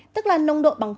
tức là nông độ bằng